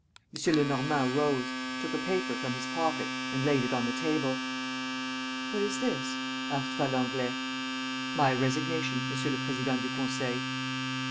M. Lenormand rose, took a paper from his pocket and laid it on the table. "What is this?" asked Valenglay. "My resignation, Monsieur le Président du Conseil."